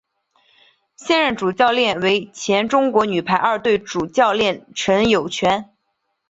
现任主教练为前中国女排二队主教练陈友泉。